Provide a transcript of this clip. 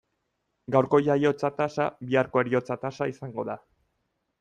Gaurko jaiotza tasa biharko heriotza tasa izango da.